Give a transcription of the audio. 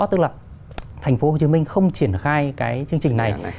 tức là thành phố hồ chí minh không triển khai cái chương trình này